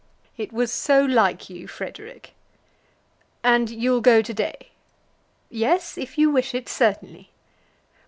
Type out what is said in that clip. "It was so like you, Frederic." "And you'll go to day?" "Yes; if you wish it, certainly."